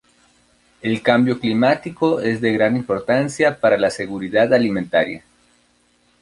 El cambio climático es de gran importancia para la seguridad alimentaria.